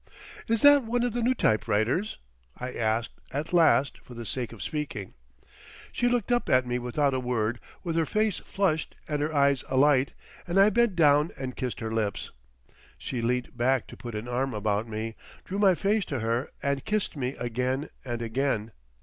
"Is that one of the new typewriters?" I asked at last for the sake of speaking. She looked up at me without a word, with her face flushed and her eyes alight, and I bent down and kissed her lips. She leant back to put an arm about me, drew my face to her and kissed me again and again.